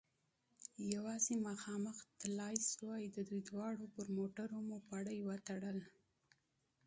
یوازې مخامخ تلای شوای، د دوی دواړو پر موټرو مو رسۍ و تړل.